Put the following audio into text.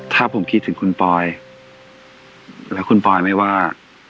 ถ้าผมคิดถึงคุณปอยแล้วคุณปอยไม่ว่า